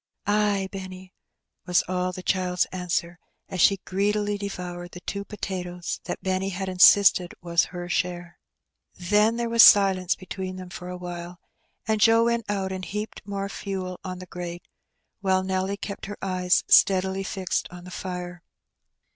"Ay, Benny," was all the child's answer, as she greedily devonred the two potatoes that Benny had inaisted Then there was silence hetween them for awhile, and Joe went ont and heaped more fdel on the grate, while Nelly kept her eyes steadily fixed on the fire.